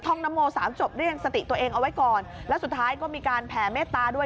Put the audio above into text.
ห้องน้ำโมสามจบเรียกสติตัวเองเอาไว้ก่อนแล้วสุดท้ายก็มีการแผ่เมตตาด้วย